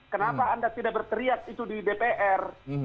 kenapa anda tidak berteriak itu di dpr